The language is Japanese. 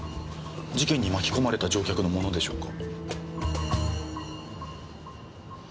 事件に巻き込まれた乗客のものでしょうか？